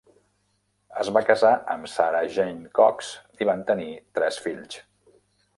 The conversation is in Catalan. Es va casar amb Sarah Jane Cox i van tenir tres fills.